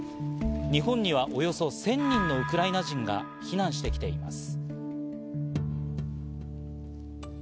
日本にはおよそ１０００人のウクライナ人が避難してきています。